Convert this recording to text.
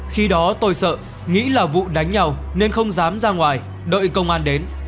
khi đó tôi sợ nghĩ là vụ đánh nhau nên không dám ra ngoài đợi công an đến